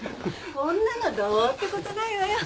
こんなのどうってことないわよ。